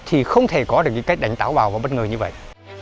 thì không thể có được cái đánh thẳng vào vào bất ngờ như vậy